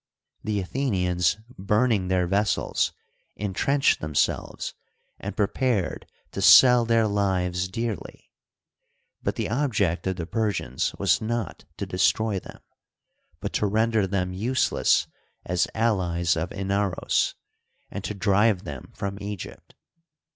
The Athenians burning their vessels, intrenched themselves and prepared to sell their lives dearly ; but the object of the Persians was not to destroy them, but to render them useless as allies of Inaros, and to drive them from Egypt.